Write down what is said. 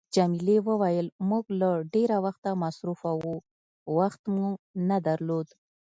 جميلې وويل: موږ له ډېره وخته مصروفه وو، وخت مو نه درلود.